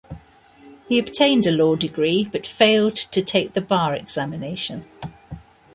He obtained a law degree, but failed to take the bar examination.